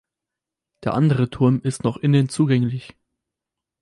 Der andere Turm ist noch innen zugänglich.